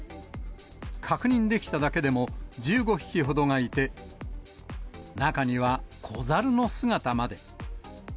確認できただけでも、１５匹ほどがいて、中には子猿の姿まで。